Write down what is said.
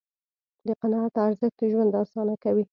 د قناعت ارزښت ژوند آسانه کوي.